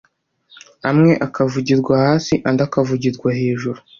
amwe akavugirwa hasi andi akavugirwa hejuru,